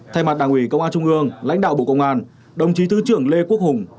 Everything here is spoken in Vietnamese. thay mặt đảng ủy công an trung ương lãnh đạo bộ công an đồng chí thứ trưởng lê quốc hùng